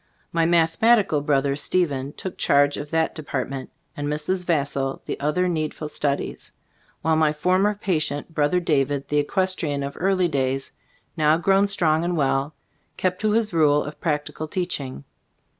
My mathematical brother, Ste phen, took charge of that department, and Mrs. Vassall the other needful studies, while my former patient, brother David, the equestrian of early days, now grown strong and well, kept to his rule of practical teaching.